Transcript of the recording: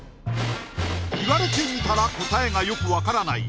言われてみたら答えがよく分からない